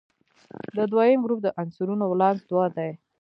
د دویم ګروپ د عنصرونو ولانس دوه دی.